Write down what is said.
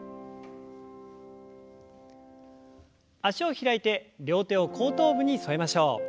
脚を開いて両手を後頭部に添えましょう。